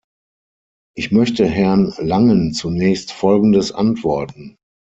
Ich möchte Herrn Langen zunächst Folgendes antworten.